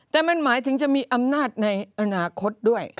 แต่มันหมายถึงจะมีอำนาจในอนาคตด้วย